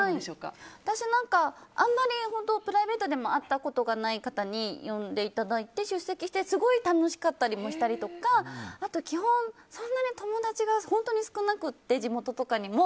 私、あんまりプライベートでも会ったことがない方に呼んでいただいて出席してすごい楽しかったりしたりとかあと、基本そんなに友達が本当に少なくて地元とかにも。